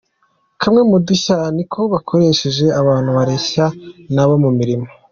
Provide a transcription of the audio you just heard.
Kamwe mu dushya ni uko bakoresheje abantu bareshya nabo mu mirimo.